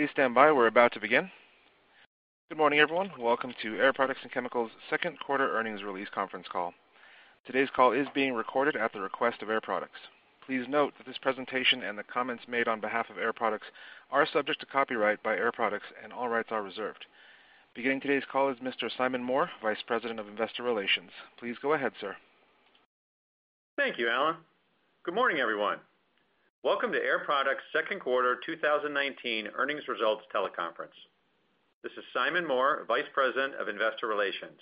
Please stand by. We're about to begin. Good morning, everyone. Welcome to Air Products and Chemicals' second quarter earnings release conference call. Today's call is being recorded at the request of Air Products. Please note that this presentation and the comments made on behalf of Air Products are subject to copyright by Air Products, and all rights are reserved. Beginning today's call is Mr. Simon Moore, Vice President of Investor Relations. Please go ahead, sir. Thank you, Alan. Good morning, everyone. Welcome to Air Products' second quarter 2019 earnings results teleconference. This is Simon Moore, Vice President of Investor Relations.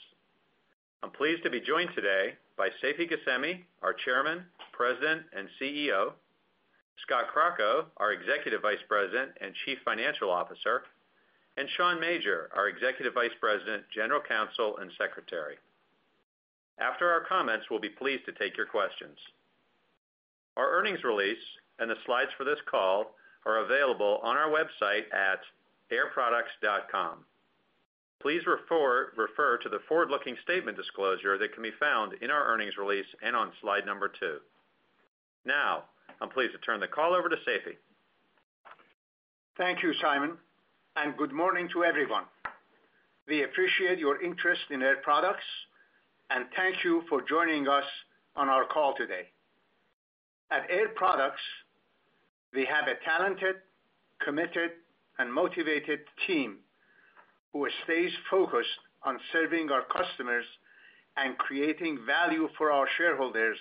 I'm pleased to be joined today by Seifi Ghasemi, our Chairman, President, and CEO, Scott Crocco, our Executive Vice President and Chief Financial Officer, and Sean Major, our Executive Vice President, General Counsel, and Secretary. After our comments, we'll be pleased to take your questions. Our earnings release and the slides for this call are available on our website at airproducts.com. Please refer to the forward-looking statement disclosure that can be found in our earnings release and on slide number two. Now, I'm pleased to turn the call over to Seifi. Thank you, Simon, and good morning to everyone. We appreciate your interest in Air Products, and thank you for joining us on our call today. At Air Products, we have a talented, committed, and motivated team who stays focused on serving our customers and creating value for our shareholders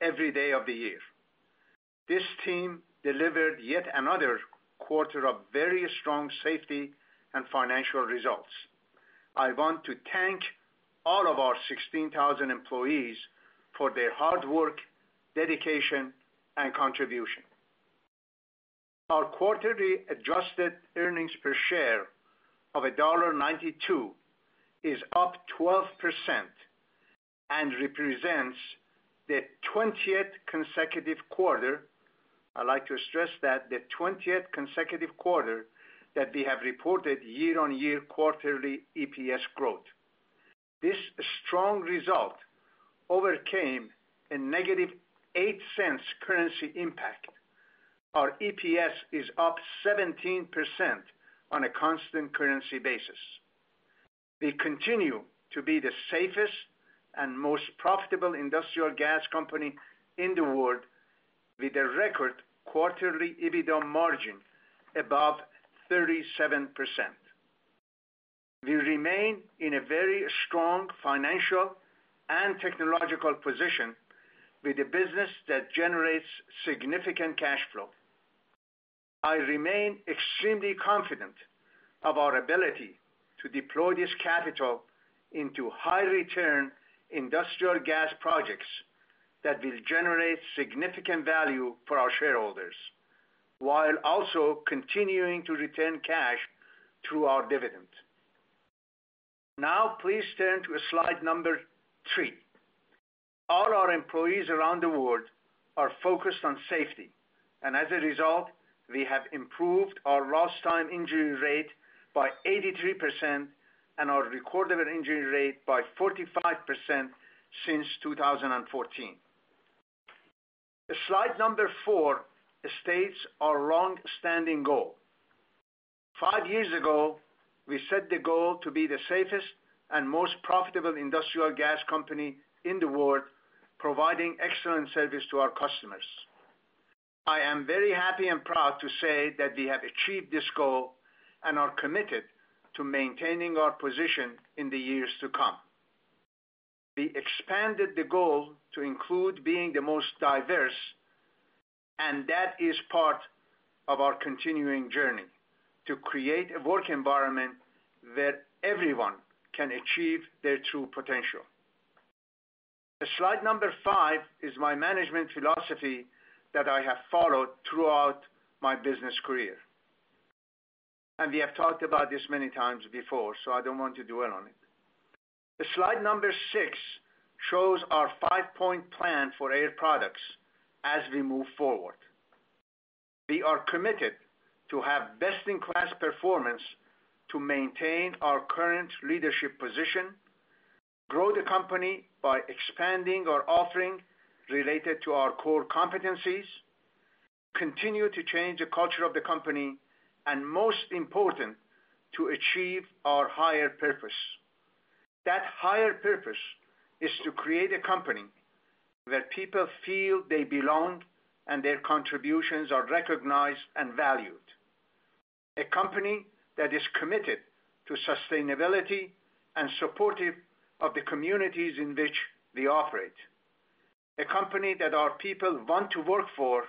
every day of the year. This team delivered yet another quarter of very strong safety and financial results. I want to thank all of our 16,000 employees for their hard work, dedication, and contribution. Our quarterly adjusted earnings per share of $1.92 is up 12% and represents the 20th consecutive quarter, I'd like to stress that, the 20th consecutive quarter that we have reported year-on-year quarterly EPS growth. This strong result overcame a negative $0.08 currency impact. Our EPS is up 17% on a constant currency basis. We continue to be the safest and most profitable industrial gas company in the world, with a record quarterly EBITDA margin above 37%. We remain in a very strong financial and technological position with a business that generates significant cash flow. I remain extremely confident of our ability to deploy this capital into high-return industrial gas projects that will generate significant value for our shareholders, while also continuing to return cash through our dividend. Now, please turn to slide number three. All our employees around the world are focused on safety, and as a result, we have improved our lost time injury rate by 83% and our recordable injury rate by 45% since 2014. Slide number four states our longstanding goal. Five years ago, we set the goal to be the safest and most profitable industrial gas company in the world, providing excellent service to our customers. I am very happy and proud to say that we have achieved this goal and are committed to maintaining our position in the years to come. We expanded the goal to include being the most diverse, and that is part of our continuing journey to create a work environment where everyone can achieve their true potential. Slide number five is my management philosophy that I have followed throughout my business career. We have talked about this many times before, so I don't want to dwell on it. Slide number six shows our five-point plan for Air Products as we move forward. We are committed to have best-in-class performance to maintain our current leadership position, grow the company by expanding our offering related to our core competencies, continue to change the culture of the company, and most important, to achieve our higher purpose. That higher purpose is to create a company where people feel they belong and their contributions are recognized and valued. A company that is committed to sustainability and supportive of the communities in which we operate. A company that our people want to work for,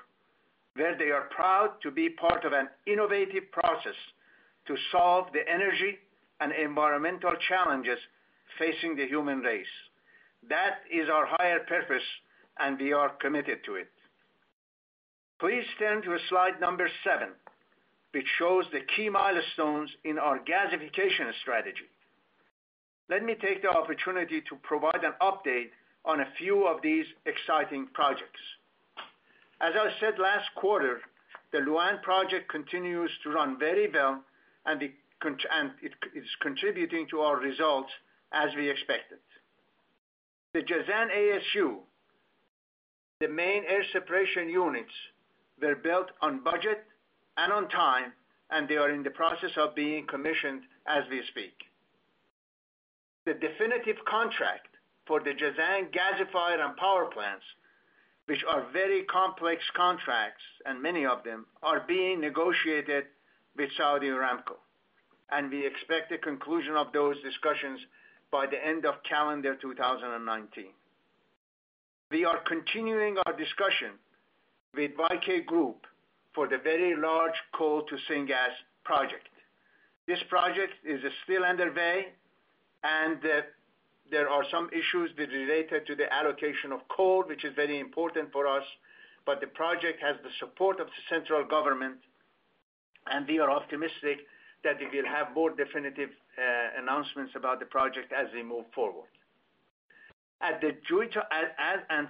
where they are proud to be part of an innovative process to solve the energy and environmental challenges facing the human race. That is our higher purpose, and we are committed to it. Please turn to slide number seven, which shows the key milestones in our gasification strategy. Let me take the opportunity to provide an update on a few of these exciting projects. As I said last quarter, the Lu'an project continues to run very well and it is contributing to our results as we expected. The Jazan ASU, the main air separation units were built on budget and on time, and they are in the process of being commissioned as we speak. The definitive contract for the Jazan gasifier and power plants, which are very complex contracts, and many of them are being negotiated with Saudi Aramco, and we expect the conclusion of those discussions by the end of calendar 2019. We are continuing our discussion with YK Group for the very large coal to syngas project. This project is still underway and there are some issues related to the allocation of coal, which is very important for us, but the project has the support of the central government, and we are optimistic that we will have more definitive announcements about the project as we move forward.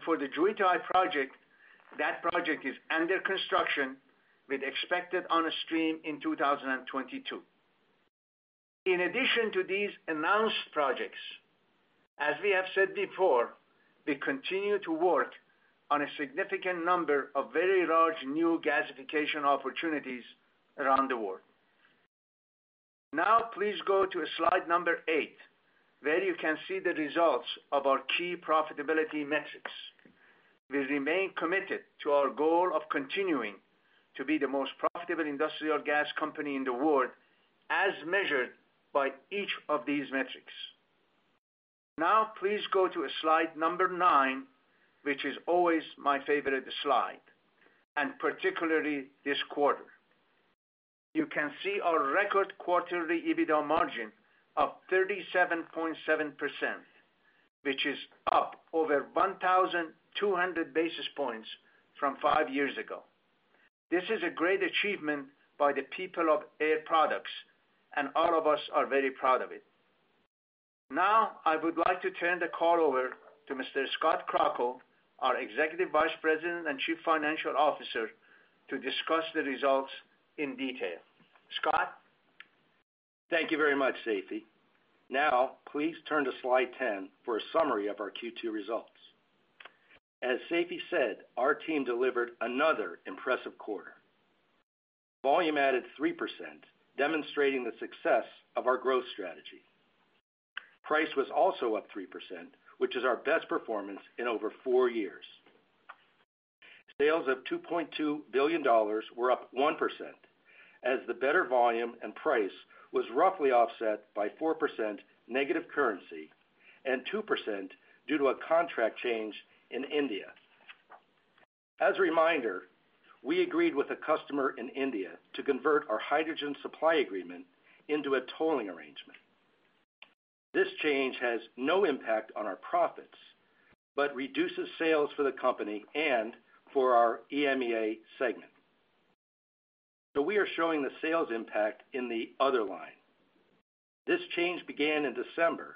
For the Jiutai project, that project is under construction with expected onstream in 2022. In addition to these announced projects, as we have said before, we continue to work on a significant number of very large new gasification opportunities around the world. Please go to slide number eight, where you can see the results of our key profitability metrics. We remain committed to our goal of continuing to be the most profitable industrial gas company in the world, as measured by each of these metrics. Please go to slide number nine, which is always my favorite slide, and particularly this quarter. You can see our record quarterly EBITDA margin of 37.7%, which is up over 1,200 basis points from five years ago. This is a great achievement by the people of Air Products, and all of us are very proud of it. I would like to turn the call over to Mr. Scott Crocco, our Executive Vice President and Chief Financial Officer, to discuss the results in detail. Scott? Thank you very much, Seifi. Please turn to slide 10 for a summary of our Q2 results. As Seifi said, our team delivered another impressive quarter. Volume added 3%, demonstrating the success of our growth strategy. Price was also up 3%, which is our best performance in over four years. Sales of $2.2 billion were up 1%, as the better volume and price was roughly offset by 4% negative currency and 2% due to a contract change in India. As a reminder, we agreed with a customer in India to convert our hydrogen supply agreement into a tolling arrangement. This change has no impact on our profits, but reduces sales for the company and for our EMEA segment. We are showing the sales impact in the other line. This change began in December,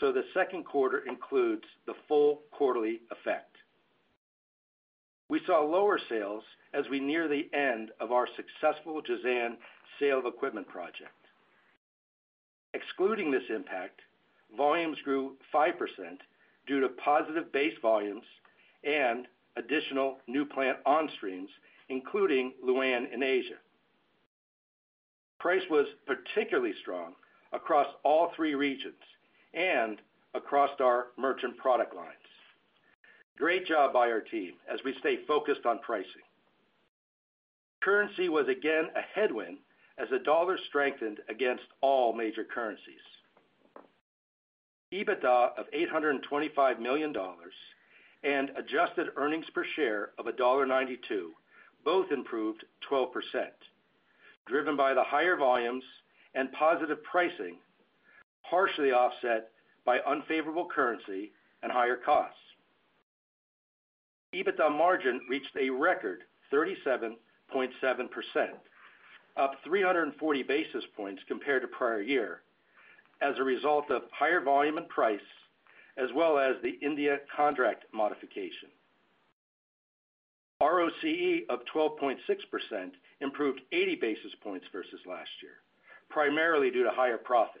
so the second quarter includes the full quarterly effect. We saw lower sales as we near the end of our successful Jazan sale of equipment project. Excluding this impact, volumes grew 5% due to positive base volumes and additional new plant onstreams, including Lu'an in Asia. Price was particularly strong across all three regions and across our merchant product lines. Great job by our team as we stay focused on pricing. Currency was again a headwind as the dollar strengthened against all major currencies. EBITDA of $825 million and adjusted earnings per share of $1.92, both improved 12%, driven by the higher volumes and positive pricing, partially offset by unfavorable currency and higher costs. EBITDA margin reached a record 37.7%, up 340 basis points compared to prior year as a result of higher volume and price, as well as the India contract modification. ROCE of 12.6% improved 80 basis points versus last year, primarily due to higher profits.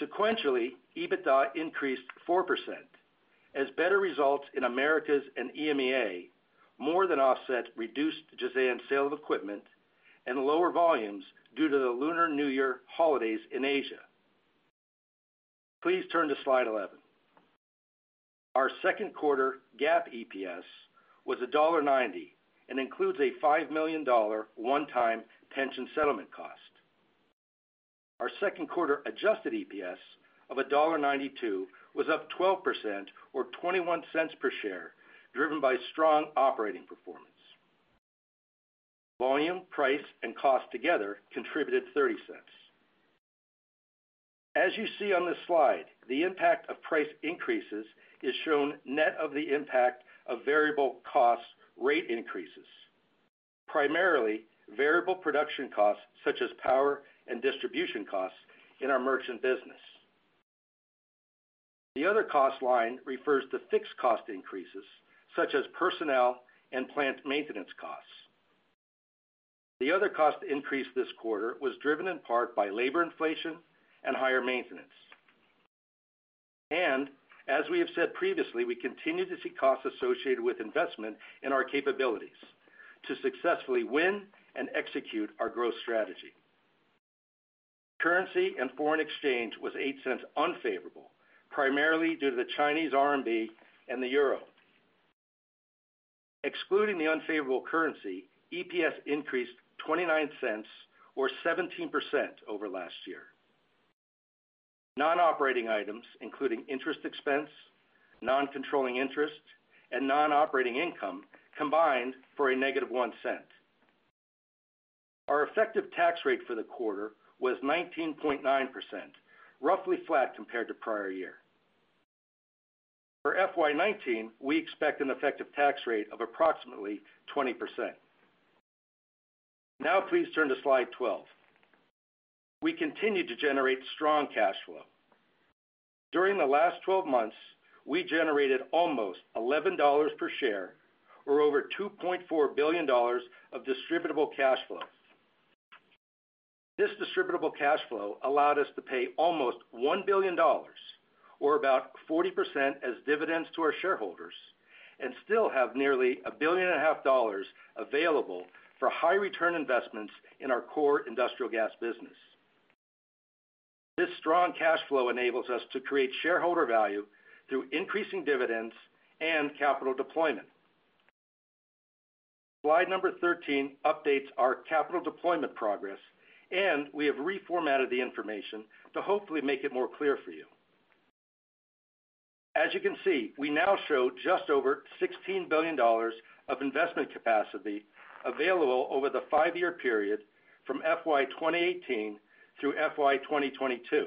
Sequentially, EBITDA increased 4% as better results in Americas and EMEA more than offset reduced Jazan sale of equipment and lower volumes due to the Lunar New Year holidays in Asia. Please turn to slide 11. Our second quarter GAAP EPS was $1.90 and includes a $5 million one-time pension settlement cost. Our second quarter adjusted EPS of $1.92 was up 12% or $0.21 per share, driven by strong operating performance. Volume, price, and cost together contributed $0.30. As you see on this slide, the impact of price increases is shown net of the impact of variable cost rate increases, primarily variable production costs such as power and distribution costs in our merchant business. The other cost line refers to fixed cost increases such as personnel and plant maintenance costs. The other cost increase this quarter was driven in part by labor inflation and higher maintenance. As we have said previously, we continue to see costs associated with investment in our capabilities to successfully win and execute our growth strategy. Currency and foreign exchange was $0.08 unfavorable, primarily due to the Chinese RMB and the EUR. Excluding the unfavorable currency, EPS increased $0.29 or 17% over last year. Non-operating items including interest expense, non-controlling interest, and non-operating income combined for a negative $0.01. Our effective tax rate for the quarter was 19.9%, roughly flat compared to prior year. For FY 2019, we expect an effective tax rate of approximately 20%. Please turn to slide 12. We continue to generate strong cash flow. During the last 12 months, we generated almost $11 per share or over $2.4 billion of distributable cash flow. This distributable cash flow allowed us to pay almost $1 billion or about 40% as dividends to our shareholders and still have nearly $1.5 billion available for high return investments in our core industrial gas business. This strong cash flow enables us to create shareholder value through increasing dividends and capital deployment. Slide 13 updates our capital deployment progress. We have reformatted the information to hopefully make it more clear for you. As you can see, we now show just over $16 billion of investment capacity available over the five-year period from FY 2018 through FY 2022.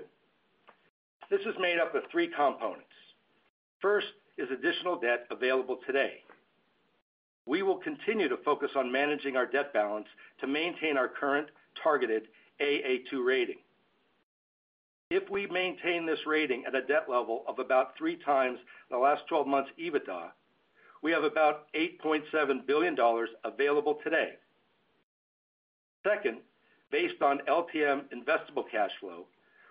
This is made up of three components. First is additional debt available today. We will continue to focus on managing our debt balance to maintain our current targeted Aa2 rating. If we maintain this rating at a debt level of about three times the last 12 months EBITDA, we have about $8.7 billion available today. Second, based on LTM investable cash flow,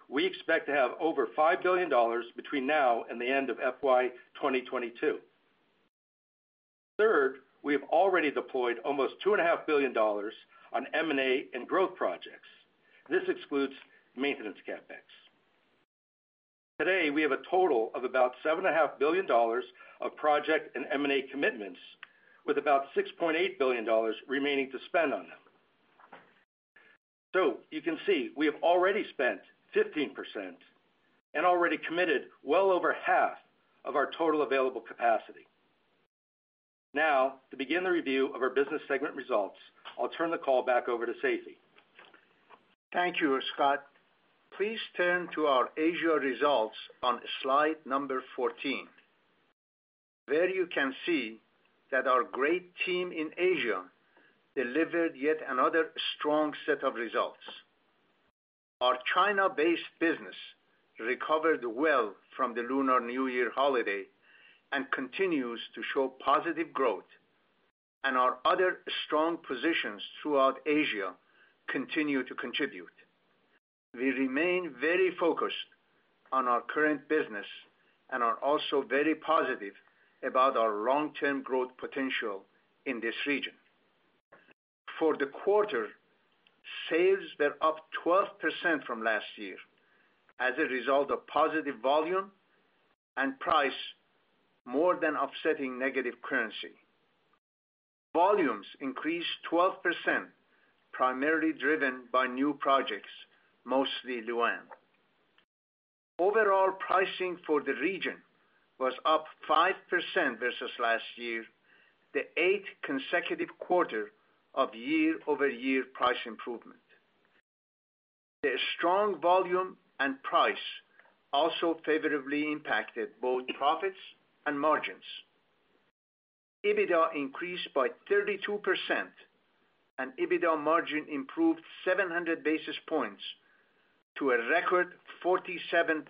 we expect to have over $5 billion between now and the end of FY 2022. Third, we have already deployed almost $2.5 billion on M&A and growth projects. This excludes maintenance CapEx. Today, we have a total of about $7.5 billion of project and M&A commitments, with about $6.8 billion remaining to spend on them. You can see we have already spent 15% and already committed well over half of our total available capacity. To begin the review of our business segment results, I'll turn the call back over to Seifi. Thank you, Scott. Please turn to our Asia results on slide 14. There you can see that our great team in Asia delivered yet another strong set of results. Our China-based business recovered well from the Lunar New Year holiday and continues to show positive growth. Our other strong positions throughout Asia continue to contribute. We remain very focused on our current business and are also very positive about our long-term growth potential in this region. For the quarter, sales were up 12% from last year as a result of positive volume and price more than offsetting negative currency. Volumes increased 12%, primarily driven by new projects, mostly Lu'an. Overall pricing for the region was up 5% versus last year, the eighth consecutive quarter of year-over-year price improvement. The strong volume and price also favorably impacted both profits and margins. EBITDA increased by 32%, and EBITDA margin improved 700 basis points to a record 47.7%,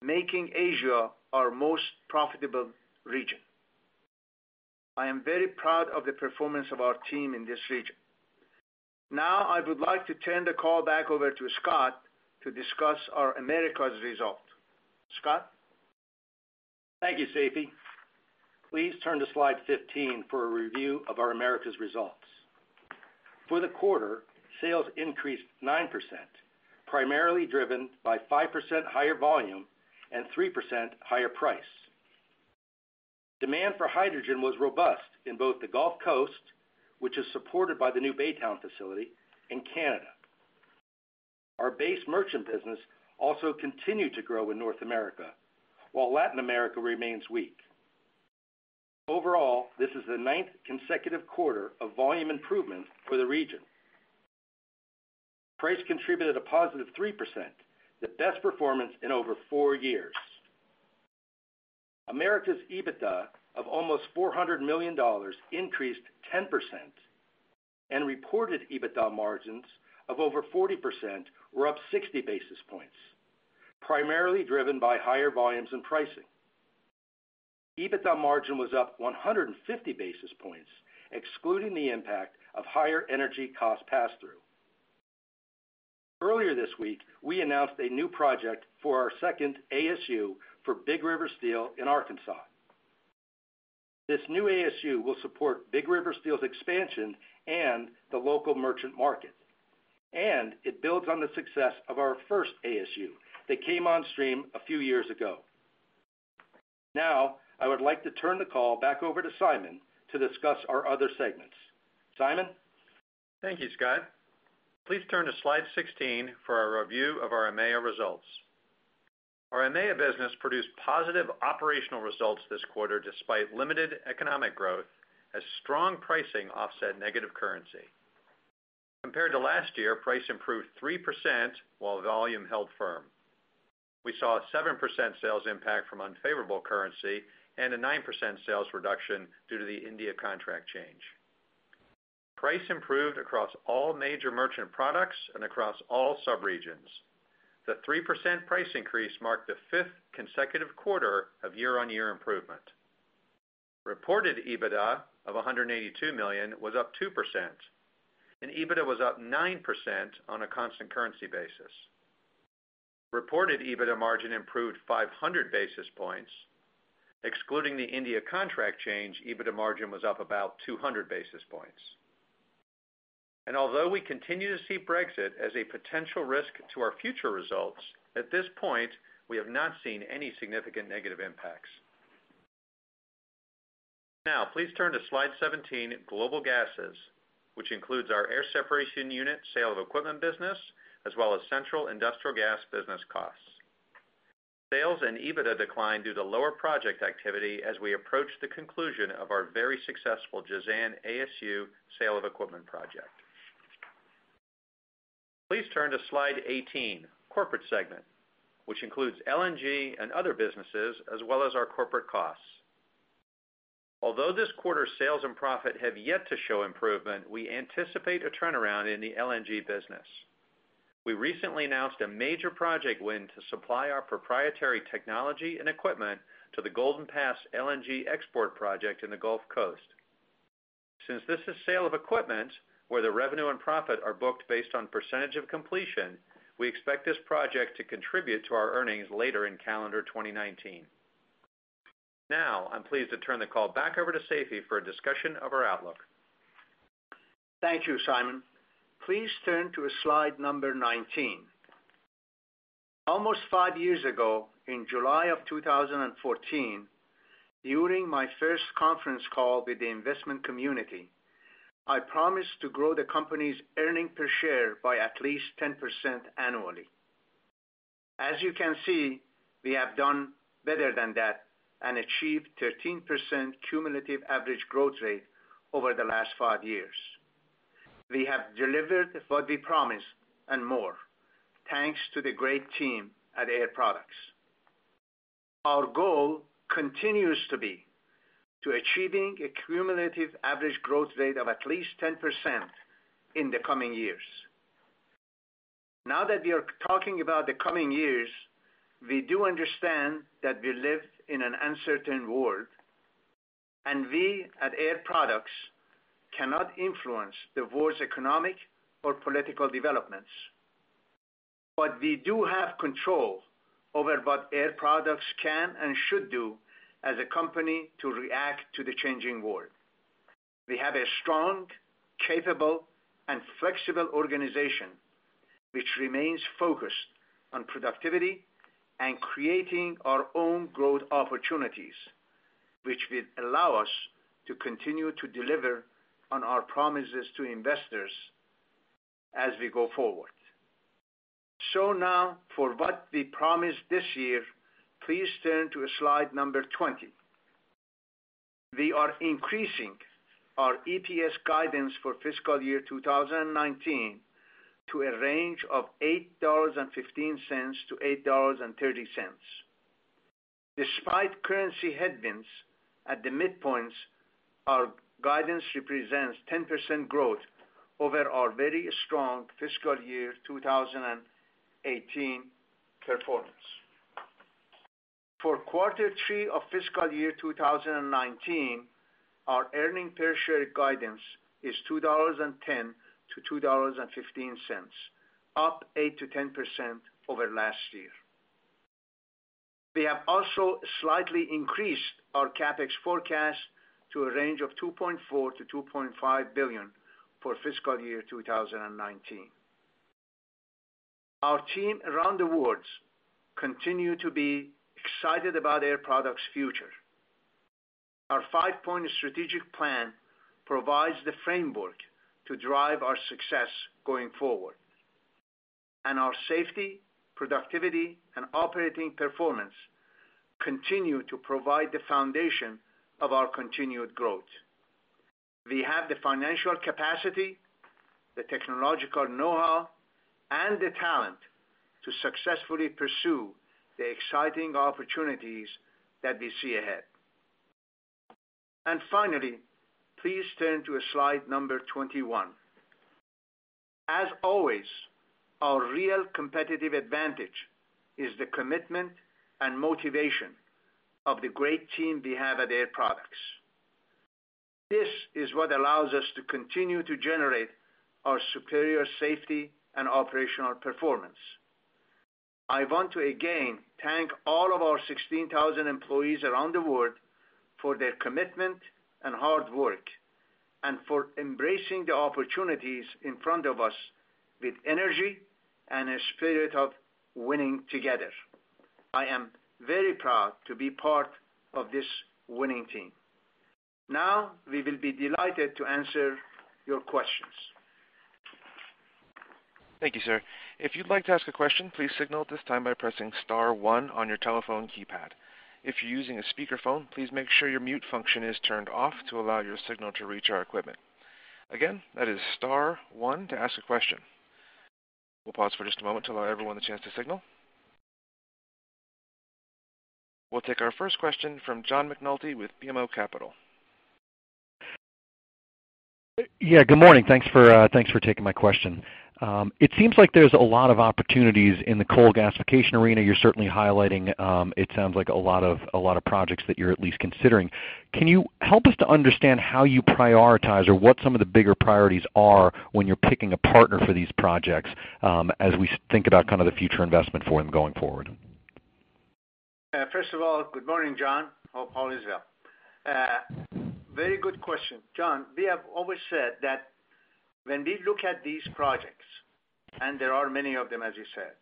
making Asia our most profitable region. I am very proud of the performance of our team in this region. I would like to turn the call back over to Scott to discuss our Americas result. Scott? Thank you, Seifi. Please turn to slide 15 for a review of our Americas results. For the quarter, sales increased 9%, primarily driven by 5% higher volume and 3% higher price. Demand for hydrogen was robust in both the Gulf Coast, which is supported by the new Baytown facility, and Canada. Our base merchant business also continued to grow in North America, while Latin America remains weak. Overall, this is the ninth consecutive quarter of volume improvement for the region. Price contributed a positive 3%, the best performance in over four years. Americas EBITDA of almost $400 million increased 10%, and reported EBITDA margins of over 40% were up 60 basis points, primarily driven by higher volumes and pricing. EBITDA margin was up 150 basis points, excluding the impact of higher energy cost pass-through. Earlier this week, we announced a new project for our second ASU for Big River Steel in Arkansas. This new ASU will support Big River Steel's expansion and the local merchant market, and it builds on the success of our first ASU that came on stream a few years ago. I would like to turn the call back over to Simon to discuss our other segments. Simon? Thank you, Scott. Please turn to slide 16 for a review of our EMEA results. Our EMEA business produced positive operational results this quarter, despite limited economic growth, as strong pricing offset negative currency. Compared to last year, price improved 3% while volume held firm. We saw a 7% sales impact from unfavorable currency and a 9% sales reduction due to the India contract change. Price improved across all major merchant products and across all sub-regions. The 3% price increase marked the fifth consecutive quarter of year-on-year improvement. Reported EBITDA of $182 million was up 2%, and EBITDA was up 9% on a constant currency basis. Reported EBITDA margin improved 500 basis points. Excluding the India contract change, EBITDA margin was up about 200 basis points. Although we continue to see Brexit as a potential risk to our future results, at this point, we have not seen any significant negative impacts. Please turn to slide 17, Global Gases, which includes our air separation unit, sale of equipment business, as well as central industrial gas business costs. Sales and EBITDA declined due to lower project activity as we approach the conclusion of our very successful Jazan ASU sale of equipment project. Please turn to slide 18, Corporate Segment, which includes LNG and other businesses, as well as our corporate costs. Although this quarter's sales and profit have yet to show improvement, we anticipate a turnaround in the LNG business. We recently announced a major project win to supply our proprietary technology and equipment to the Golden Pass LNG export project in the Gulf Coast. Since this is sale of equipment, where the revenue and profit are booked based on percentage of completion, we expect this project to contribute to our earnings later in calendar 2019. I'm pleased to turn the call back over to Seifi for a discussion of our outlook. Thank you, Simon. Please turn to slide number 19. Almost five years ago, in July of 2014, during my first conference call with the investment community, I promised to grow the company's earning per share by at least 10% annually. As you can see, we have done better than that and achieved 13% cumulative average growth rate over the last five years. We have delivered what we promised and more, thanks to the great team at Air Products. Our goal continues to be to achieving a cumulative average growth rate of at least 10% in the coming years. That we are talking about the coming years, we do understand that we live in an uncertain world, and we at Air Products cannot influence the world's economic or political developments. We do have control over what Air Products can and should do as a company to react to the changing world. We have a strong, capable, and flexible organization which remains focused on productivity and creating our own growth opportunities, which will allow us to continue to deliver on our promises to investors as we go forward. For what we promised this year, please turn to slide number 20. We are increasing our EPS guidance for fiscal year 2019 to a range of $8.15-$8.30. Despite currency headwinds at the midpoints, our guidance represents 10% growth over our very strong fiscal year 2018 performance. For quarter three of fiscal year 2019, our earning per share guidance is $2.10-$2.15, up 8%-10% over last year. We have also slightly increased our CapEx forecast to a range of $2.4 billion-$2.5 billion for fiscal year 2019. Our team around the world continue to be excited about Air Products' future. Our five-point strategic plan provides the framework to drive our success going forward. Our safety, productivity, and operating performance continue to provide the foundation of our continued growth. We have the financial capacity, the technological know-how, and the talent to successfully pursue the exciting opportunities that we see ahead. Finally, please turn to slide number 21. As always, our real competitive advantage is the commitment and motivation of the great team we have at Air Products. This is what allows us to continue to generate our superior safety and operational performance. I want to again thank all of our 16,000 employees around the world for their commitment and hard work, and for embracing the opportunities in front of us with energy and a spirit of winning together. I am very proud to be part of this winning team. We will be delighted to answer your questions. Thank you, sir. If you'd like to ask a question, please signal at this time by pressing *1 on your telephone keypad. If you're using a speakerphone, please make sure your mute function is turned off to allow your signal to reach our equipment. Again, that is *1 to ask a question. We'll pause for just a moment to allow everyone the chance to signal. We'll take our first question from John McNulty with BMO Capital. Good morning. Thanks for taking my question. It seems like there's a lot of opportunities in the coal gasification arena. You're certainly highlighting, it sounds like a lot of projects that you're at least considering. Can you help us to understand how you prioritize or what some of the bigger priorities are when you're picking a partner for these projects, as we think about kind of the future investment for them going forward? First of all, good morning, John. Hope all is well. Very good question. John, we have always said that when we look at these projects, and there are many of them, as you said,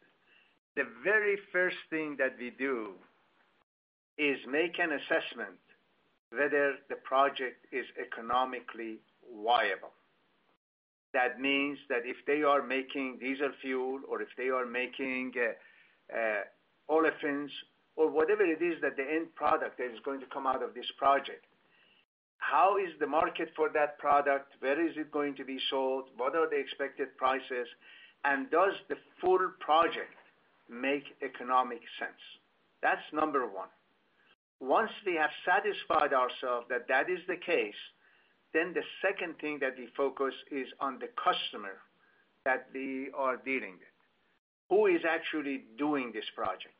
the very first thing that we do is make an assessment whether the project is economically viable. That means that if they are making diesel fuel or if they are making olefins or whatever it is that the end product that is going to come out of this project, how is the market for that product? Where is it going to be sold? What are the expected prices? Does the full project make economic sense? That's number 1. Once we have satisfied ourselves that that is the case, the second thing that we focus is on the customer that we are dealing with. Who is actually doing this project?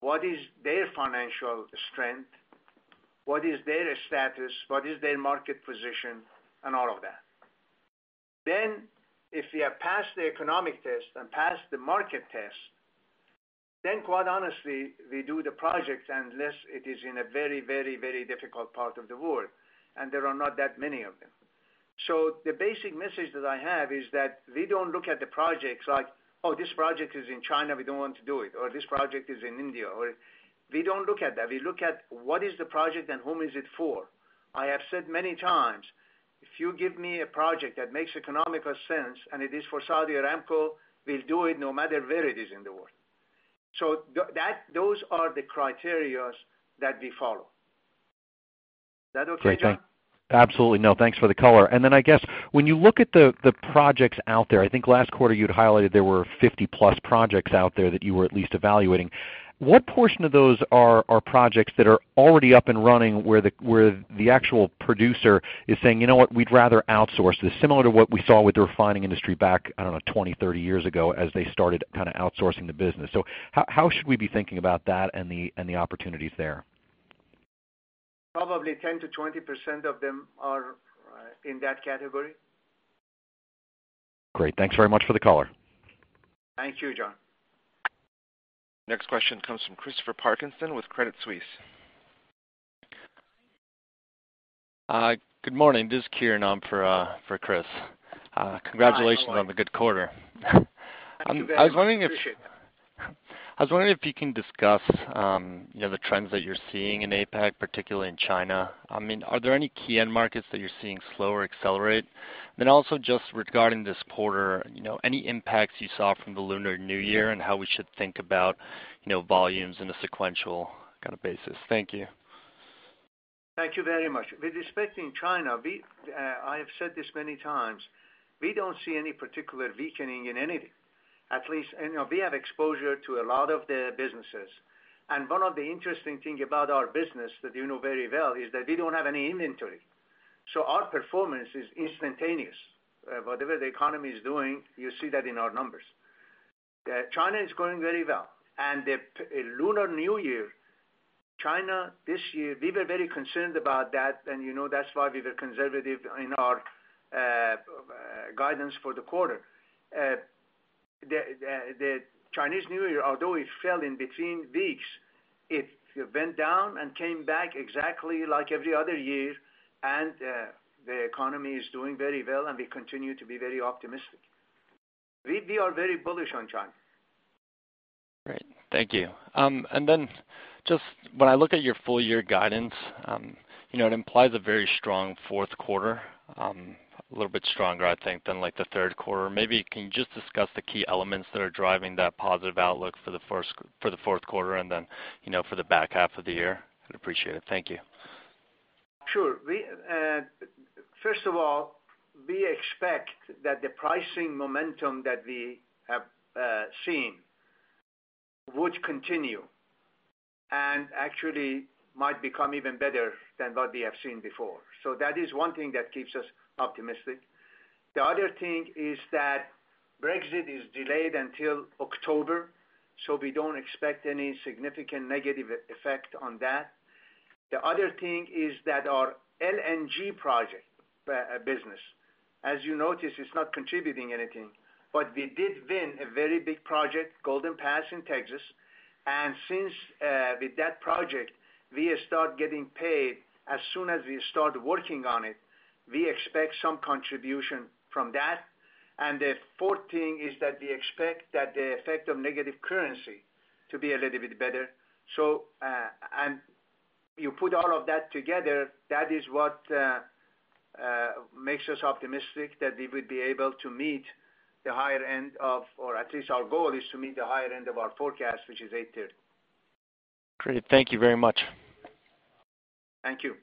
What is their financial strength? What is their status? What is their market position, and all of that. If they have passed the economic test and passed the market test, then quite honestly, we do the project unless it is in a very difficult part of the world, and there are not that many of them. The basic message that I have is that we don't look at the projects like, "Oh, this project is in China, we don't want to do it," or, "This project is in India, or" We don't look at that. We look at what is the project and whom is it for. I have said many times, if you give me a project that makes economical sense, and it is for Saudi Aramco, we'll do it no matter where it is in the world. Those are the criteria that we follow. Is that okay, John? Great. Thanks. Absolutely. Thanks for the color. I guess when you look at the projects out there, I think last quarter you had highlighted there were 50 plus projects out there that you were at least evaluating. What portion of those are projects that are already up and running where the actual producer is saying, "You know what? We'd rather outsource this," similar to what we saw with the refining industry back, I don't know, 20, 30 years ago, as they started kind of outsourcing the business. How should we be thinking about that and the opportunities there? Probably 10%-20% of them are in that category. Great. Thanks very much for the color. Thank you, John. Next question comes from Christopher Parkinson with Credit Suisse. Good morning. This is Kieran in for Chris. Hi. How are you? Congratulations on the good quarter. Thank you very much. Appreciate that. I was wondering if you can discuss the trends that you're seeing in APAC, particularly in China. Are there any key end markets that you're seeing slow or accelerate? Also just regarding this quarter, any impacts you saw from the Lunar New Year and how we should think about volumes in a sequential kind of basis. Thank you. Thank you very much. With respect to China, I have said this many times, we don't see any particular weakening in anything. At least, we have exposure to a lot of their businesses, and one of the interesting thing about our business that you know very well is that we don't have any inventory. Our performance is instantaneous. Whatever the economy is doing, you see that in our numbers. China is going very well, and the Lunar New Year, China this year, we were very concerned about that, and you know that's why we were conservative in our guidance for the quarter. The Chinese New Year, although it fell in between weeks, it went down and came back exactly like every other year, and the economy is doing very well, and we continue to be very optimistic. We are very bullish on China. Great. Thank you. Just when I look at your full year guidance, it implies a very strong fourth quarter, a little bit stronger, I think, than like the third quarter. Maybe can you just discuss the key elements that are driving that positive outlook for the fourth quarter and then for the back half of the year? I'd appreciate it. Thank you. Sure. First of all, we expect that the pricing momentum that we have seen would continue and actually might become even better than what we have seen before. That is one thing that keeps us optimistic. The other thing is that Brexit is delayed until October, so we don't expect any significant negative effect on that. The other thing is that our LNG project business, as you notice, is not contributing anything, but we did win a very big project, Golden Pass in Texas. Since with that project, we start getting paid as soon as we start working on it, we expect some contribution from that. The fourth thing is that we expect that the effect of negative currency to be a little bit better. You put all of that together, that is what makes us optimistic that we will be able to meet the higher end of, or at least our goal is to meet the higher end of our forecast, which is $8.30. Great. Thank you very much. Thank you.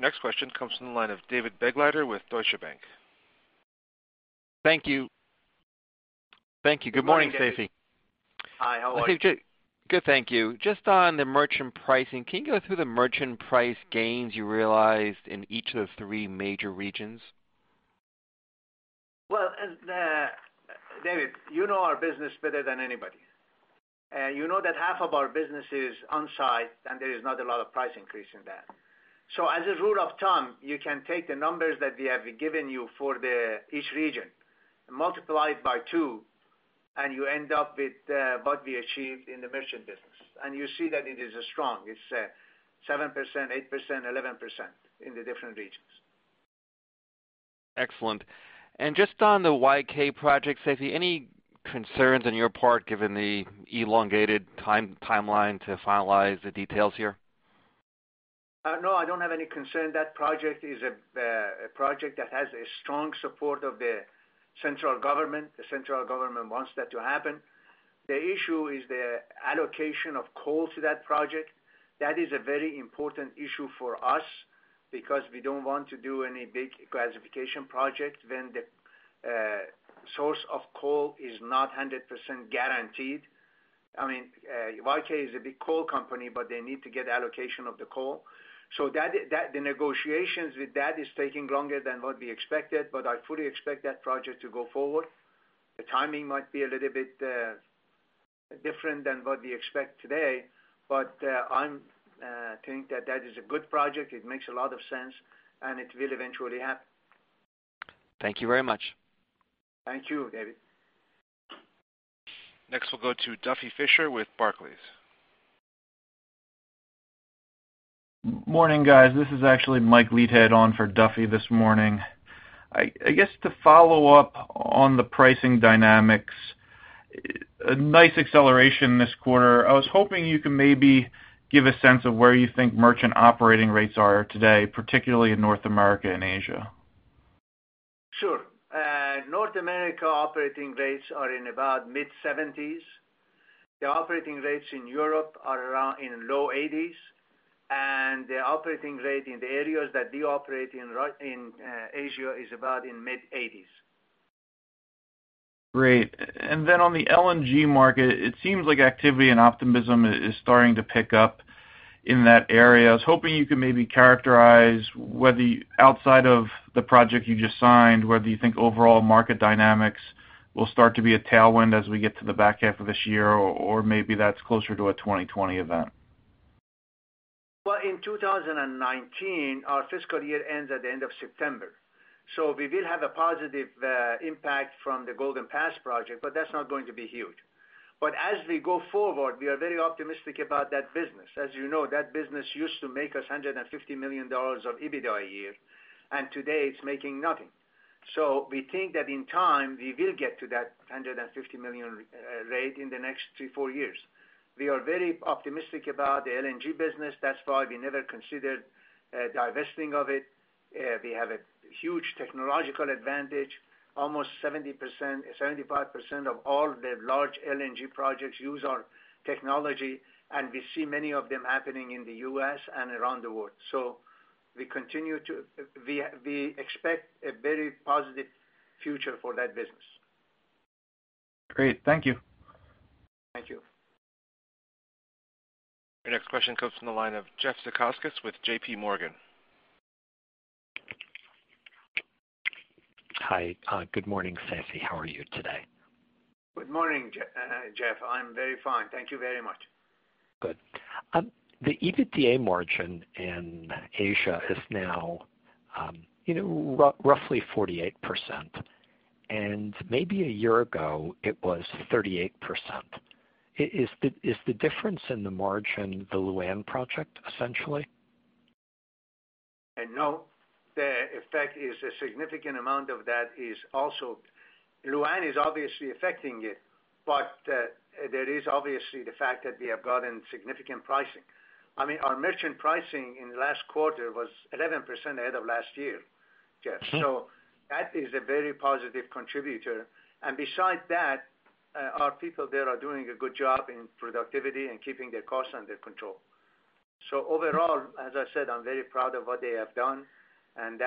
Your next question comes from the line of David Begleiter with Deutsche Bank. Thank you. Good morning, Seifi. Hi. How are you? Good, thank you. Just on the merchant pricing, can you go through the merchant price gains you realized in each of the three major regions? Well, David Begleiter, you know our business better than anybody. You know that half of our business is on-site, and there is not a lot of price increase in that. As a rule of thumb, you can take the numbers that we have given you for each region, multiply it by two, and you end up with what we achieved in the merchant business. You see that it is strong. It's 7%, 8%, 11% in the different regions. Excellent. Just on the YK project, Seifi Ghasemi, any concerns on your part given the elongated timeline to finalize the details here? No, I don't have any concern. That project is a project that has a strong support of the central government. The central government wants that to happen. The issue is the allocation of coal to that project. That is a very important issue for us because we don't want to do any big gasification project when the source of coal is not 100% guaranteed. I mean, YK is a big coal company, but they need to get allocation of the coal. The negotiations with that is taking longer than what we expected, but I fully expect that project to go forward. The timing might be a little bit different than what we expect today, but I think that that is a good project. It makes a lot of sense, and it will eventually happen. Thank you very much. Thank you, David. Next we'll go to Duffy Fischer with Barclays. Morning, guys. This is actually Mike Leithead on for Duffy this morning. I guess to follow up on the pricing dynamics, a nice acceleration this quarter. I was hoping you could maybe give a sense of where you think merchant operating rates are today, particularly in North America and Asia. Sure. North America operating rates are in about mid-70s. The operating rates in Europe are around in low 80s. The operating rate in the areas that we operate in Asia is about in mid 80s. Great. On the LNG market, it seems like activity and optimism is starting to pick up in that area. I was hoping you could maybe characterize whether outside of the project you just signed, whether you think overall market dynamics will start to be a tailwind as we get to the back half of this year, or maybe that's closer to a 2020 event. Well, in 2019, our fiscal year ends at the end of September. We will have a positive impact from the Golden Pass project, but that's not going to be huge. As we go forward, we are very optimistic about that business. As you know, that business used to make us $150 million of EBITDA a year, and today it's making nothing. We think that in time, we will get to that $150 million rate in the next three, four years. We are very optimistic about the LNG business. That's why we never considered divesting of it. We have a huge technological advantage. Almost 70%, 75% of all the large LNG projects use our technology, and we see many of them happening in the U.S. and around the world. We expect a very positive future for that business. Great. Thank you. Thank you. Your next question comes from the line of Jeff Zekauskas with JPMorgan. Hi, good morning, Seifi. How are you today? Good morning, Jeff. I'm very fine. Thank you very much. Good. The EBITDA margin in Asia is now roughly 48%, and maybe a year ago it was 38%. Is the difference in the margin the Lu'an project, essentially? No. The effect is a significant amount of that is also Lu'an is obviously affecting it, but there is obviously the fact that we have gotten significant pricing. I mean, our merchant pricing in the last quarter was 11% ahead of last year. Yes. That is a very positive contributor. Besides that, our people there are doing a good job in productivity and keeping their costs under control. Overall, as I said, I'm very proud of what they have done, and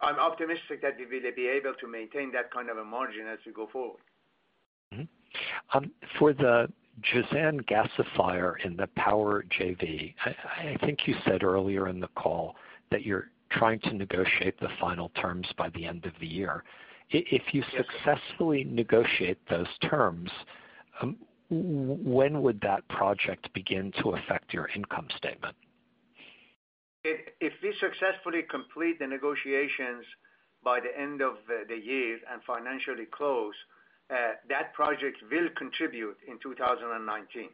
I'm optimistic that we will be able to maintain that kind of a margin as we go forward. For the Jazan gasifier and the power JV, I think you said earlier in the call that you're trying to negotiate the final terms by the end of the year. Yes. If you successfully negotiate those terms, when would that project begin to affect your income statement? If we successfully complete the negotiations by the end of the year and financially close, that project will contribute in 2019,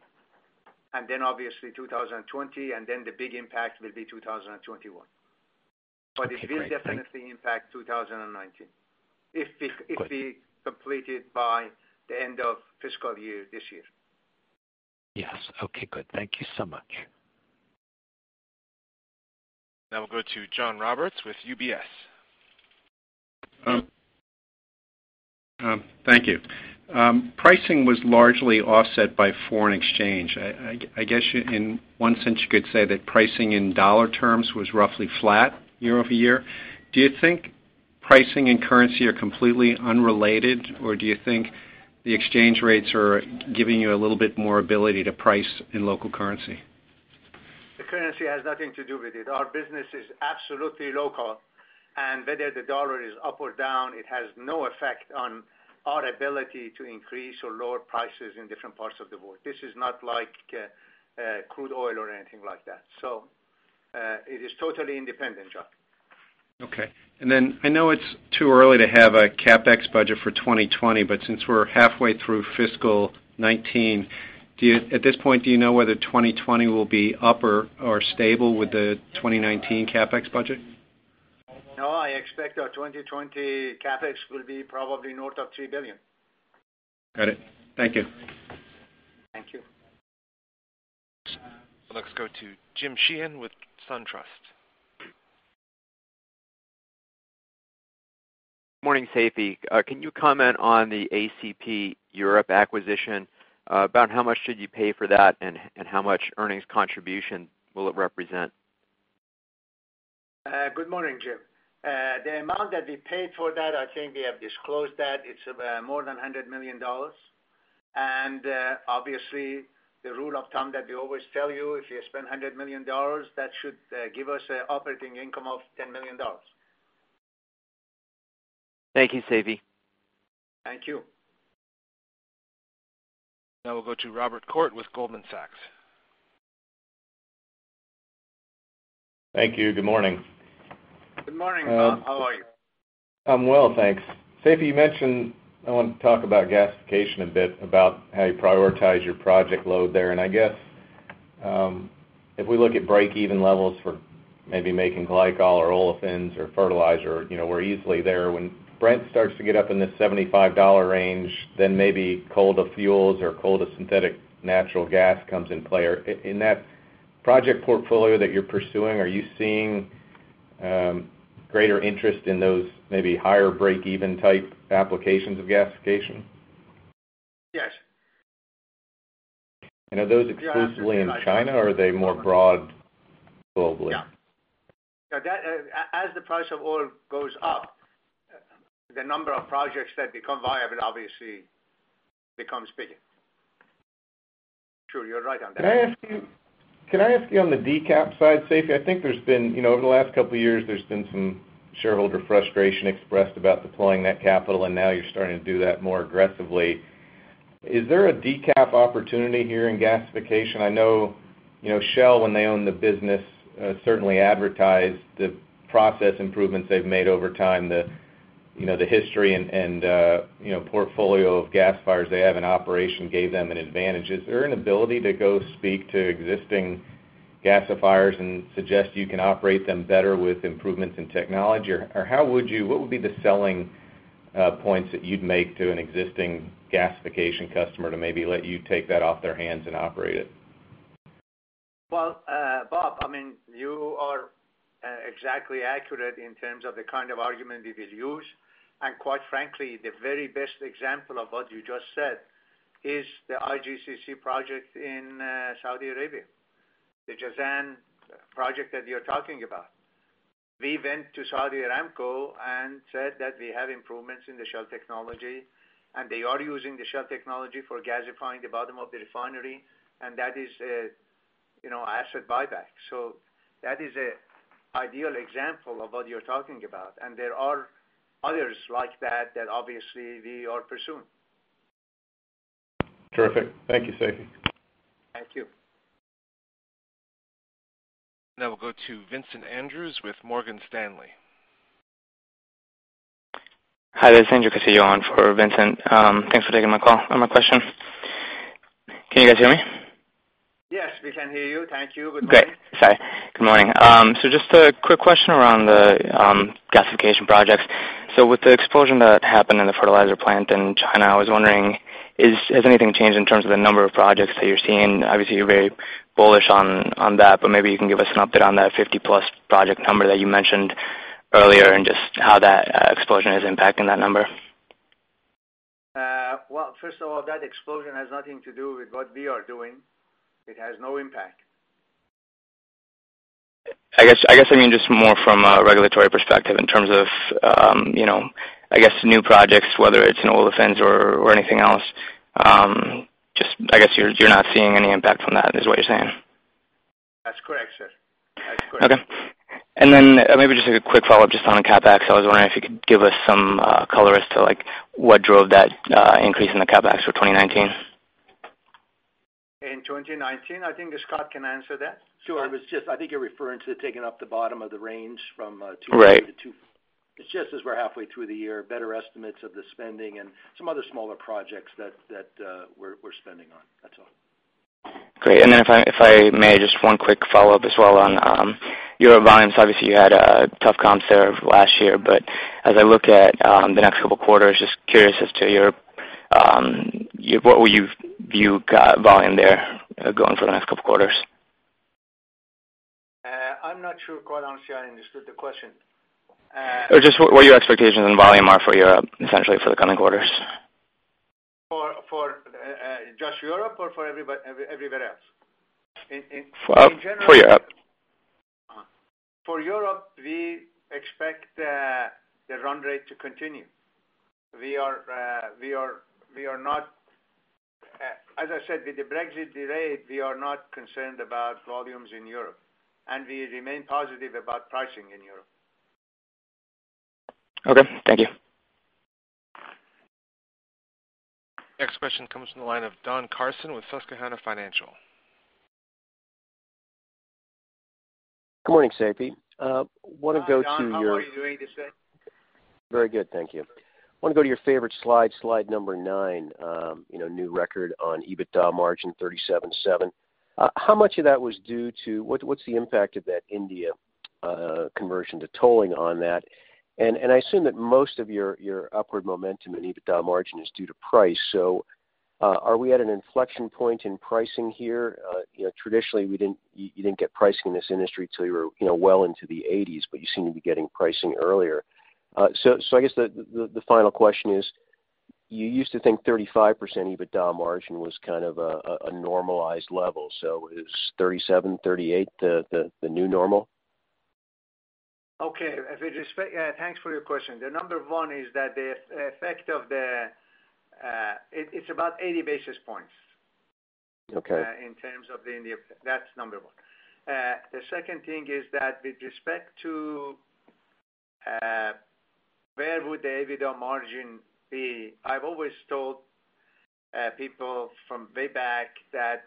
and then obviously 2020, and then the big impact will be 2021. Okay, great. Thank you. It will definitely impact 2019. Good complete it by the end of fiscal year this year. Yes. Okay, good. Thank you so much. Now we'll go to John Roberts with UBS. Thank you. Pricing was largely offset by foreign exchange. I guess, in one sense, you could say that pricing in dollar terms was roughly flat year-over-year. Do you think pricing and currency are completely unrelated, or do you think the exchange rates are giving you a little bit more ability to price in local currency? The currency has nothing to do with it. Whether the dollar is up or down, it has no effect on our ability to increase or lower prices in different parts of the world. This is not like crude oil or anything like that. It is totally independent, John. Okay. I know it's too early to have a CapEx budget for 2020, but since we're halfway through fiscal 2019, at this point, do you know whether 2020 will be up or stable with the 2019 CapEx budget? No, I expect our 2020 CapEx will be probably north of $3 billion. Got it. Thank you. Thank you. Let's go to Jim Sheehan with SunTrust. Morning, Seifi. Can you comment on the ACP Europe acquisition? About how much did you pay for that, and how much earnings contribution will it represent? Good morning, Jim. The amount that we paid for that, I think we have disclosed that, it's more than $100 million. Obviously, the rule of thumb that we always tell you, if you spend $100 million, that should give us operating income of $10 million. Thank you, Seifi. Thank you. Now we'll go to Robert Koort with Goldman Sachs. Thank you. Good morning. Good morning, Bob. How are you? I'm well, thanks. Seifi, you mentioned, I wanted to talk about gasification a bit, about how you prioritize your project load there. I guess, if we look at break-even levels for maybe making glycol or olefins or fertilizer, we're easily there. When Brent starts to get up in the $75 range, then maybe coal to fuels or coal to synthetic natural gas comes in play. In that project portfolio that you're pursuing, are you seeing greater interest in those maybe higher break-even type applications of gasification? Yes. Are those exclusively in China, or are they more broad globally? No. As the price of oil goes up, the number of projects that become viable obviously becomes bigger. Sure, you're right on that. Can I ask you on the decap side, Seifi, I think there's been, over the last couple of years, there's been some shareholder frustration expressed about deploying that capital, and now you're starting to do that more aggressively. Is there a decap opportunity here in gasification? I know Shell, when they owned the business, certainly advertised the process improvements they've made over time. The history and portfolio of gasifiers they have in operation gave them an advantage. Is there an ability to go speak to existing gasifiers and suggest you can operate them better with improvements in technology, or what would be the selling points that you'd make to an existing gasification customer to maybe let you take that off their hands and operate it? Well, Bob, you are exactly accurate in terms of the kind of argument we will use. Quite frankly, the very best example of what you just said is the IGCC project in Saudi Arabia, the Jazan project that you're talking about. We went to Saudi Aramco and said that we have improvements in the Shell technology, and they are using the Shell technology for gasifying the bottom of the refinery, and that is asset buyback. That is an ideal example of what you're talking about, and there are others like that obviously we are pursuing. Terrific. Thank you, Seifi. Thank you. Now we'll go to Vincent Andrews with Morgan Stanley. Hi, this is Angel Castillo on for Vincent. Thanks for taking my call and my question. Can you guys hear me? Yes, we can hear you. Thank you. Good morning. Great. Sorry. Good morning. Just a quick question around the gasification projects. With the explosion that happened in the fertilizer plant in China, I was wondering, has anything changed in terms of the number of projects that you're seeing? Obviously, you're very bullish on that, but maybe you can give us an update on that 50-plus project number that you mentioned earlier, and just how that explosion is impacting that number. Well, first of all, that explosion has nothing to do with what we are doing. It has no impact. I guess, I mean, just more from a regulatory perspective in terms of new projects, whether it's an olefins or anything else. You're not seeing any impact from that, is what you're saying. That's correct, sir. Okay. Maybe just a quick follow-up just on the CapEx. I was wondering if you could give us some color as to what drove that increase in the CapEx for 2019. In 2019, I think Scott can answer that. Sure. I think you're referring to taking up the bottom of the range from. Right It's just as we're halfway through the year, better estimates of the spending and some other smaller projects that we're spending on. That's all. Great. Then if I may, just one quick follow-up as well on Europe volumes. Obviously, you had tough comps there last year. As I look at the next couple of quarters, just curious as to what will you view volume there going for the next couple of quarters? I'm not sure, quite honestly, I understood the question. Just what your expectations on volume are for Europe, essentially for the coming quarters. For just Europe or for everywhere else? In general? For Europe. For Europe, we expect the run rate to continue. As I said, with the Brexit delay, we are not concerned about volumes in Europe, and we remain positive about pricing in Europe. Okay, thank you. Next question comes from the line of Don Carson with Susquehanna Financial. Good morning, Seifi. Don, how are you doing this day? Very good, thank you. Wanna go to your favorite slide number nine. New record on EBITDA margin, 37.7%. What's the impact of that India conversion to tolling on that? I assume that most of your upward momentum in EBITDA margin is due to price. Are we at an inflection point in pricing here? Traditionally, you didn't get pricing in this industry till you were well into the eighties, but you seem to be getting pricing earlier. I guess the final question is, you used to think 35% EBITDA margin was kind of a normalized level. Is 37%, 38% the new normal? Okay. Thanks for your question. The number 1 is that the effect of the, it's about 80 basis points. Okay. In terms of the India. That's number 1. The second thing is that with respect to where would the EBITDA margin be, I've always told people from way back that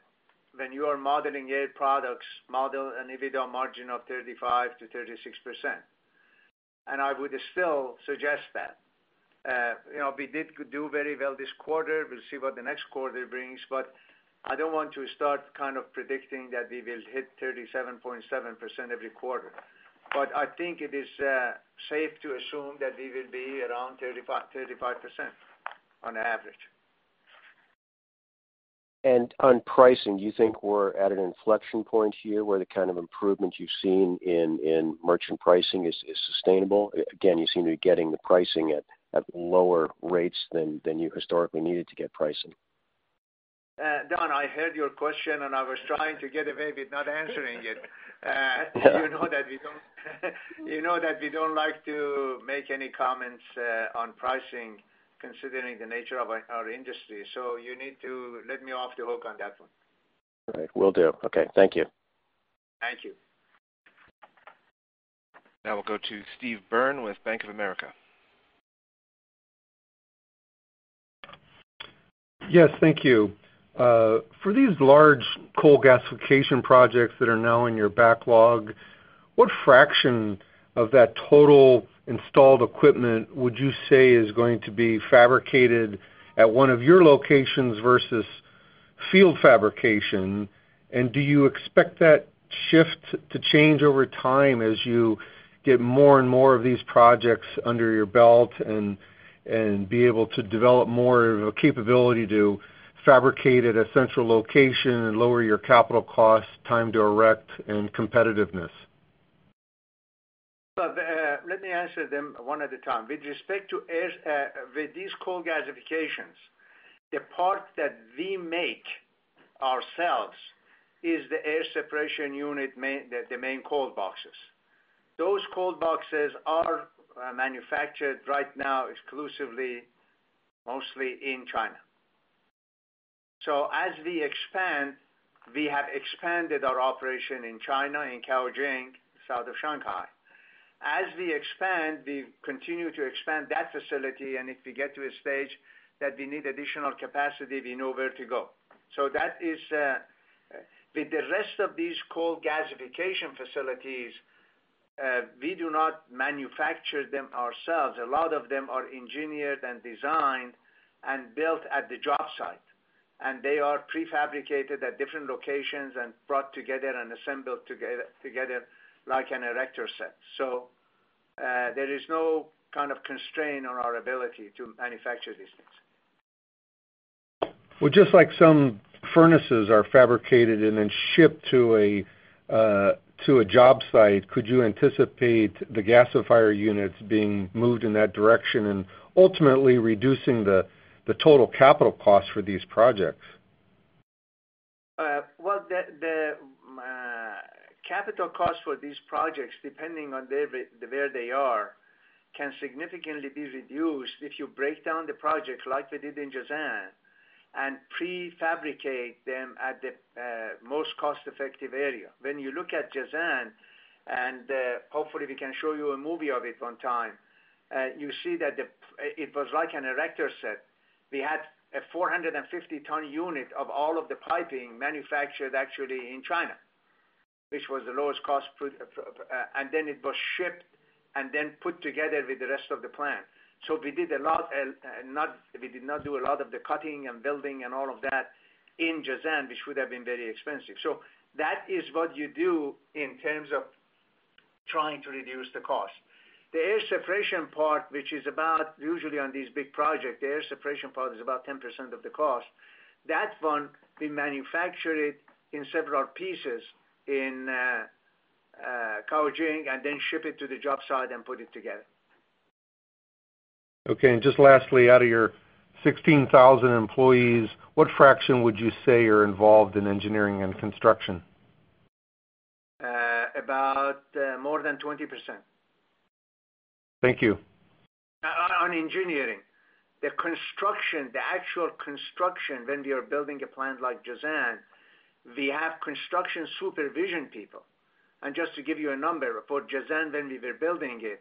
when you are modeling Air Products, model an EBITDA margin of 35%-36%. I would still suggest that. We did do very well this quarter. We'll see what the next quarter brings, but I don't want to start kind of predicting that we will hit 37.7% every quarter. I think it is safe to assume that we will be around 35% on average. On pricing, do you think we're at an inflection point here where the kind of improvements you've seen in merchant pricing is sustainable? Again, you seem to be getting the pricing at lower rates than you historically needed to get pricing. Don, I heard your question. I was trying to get away with not answering it. You know that we don't like to make any comments on pricing considering the nature of our industry. You need to let me off the hook on that one. All right, will do. Okay. Thank you. Thank you. We'll go to Steve Byrne with Bank of America. Yes. Thank you. For these large coal gasification projects that are now in your backlog, what fraction of that total installed equipment would you say is going to be fabricated at one of your locations versus field fabrication? Do you expect that shift to change over time as you get more and more of these projects under your belt, and be able to develop more of a capability to fabricate at a central location and lower your capital costs, time to erect, and competitiveness? Let me answer them one at a time. With respect to these coal gasifications, the part that we make ourselves is the air separation unit, the main cold boxes. Those cold boxes are manufactured right now exclusively, mostly in China. As we expand, we have expanded our operation in China, in Caojing, south of Shanghai. As we expand, we continue to expand that facility, and if we get to a stage that we need additional capacity, we know where to go. That is, with the rest of these coal gasification facilities, we do not manufacture them ourselves. A lot of them are engineered and designed and built at the job site. They are prefabricated at different locations and brought together and assembled together like an Erector Set. There is no kind of constraint on our ability to manufacture these things. Well, just like some furnaces are fabricated and then shipped to a job site, could you anticipate the gasifier units being moved in that direction and ultimately reducing the total capital cost for these projects? Well, the capital cost for these projects, depending on where they are, can significantly be reduced if you break down the projects, like we did in Jazan, and prefabricate them at the most cost-effective area. When you look at Jazan, and hopefully we can show you a movie of it on time, you see that it was like an Erector Set. We had a 450-ton unit of all of the piping manufactured actually in China, which was the lowest cost. Then it was shipped and then put together with the rest of the plant. We did not do a lot of the cutting and building and all of that in Jazan, which would have been very expensive. That is what you do in terms of trying to reduce the cost. The air separation part, which is about, usually on these big projects, the air separation part is about 10% of the cost. That one, we manufacture it in several pieces in Caojing and then ship it to the job site and put it together. Okay. Just lastly, out of your 16,000 employees, what fraction would you say are involved in engineering and construction? About more than 20%. Thank you. On engineering. The construction, the actual construction, when we are building a plant like Jazan, we have construction supervision people. Just to give you a number, for Jazan, when we were building it,